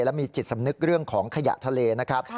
และมีจิตสำนึกเรื่องของขยะทะเลนะครับ